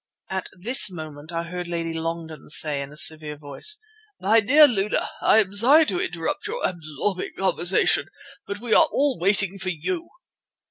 At this moment I heard Lady Longden say, in a severe voice: "My dear Luna, I am sorry to interrupt your absorbing conversation, but we are all waiting for you."